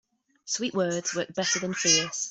Sweet words work better than fierce.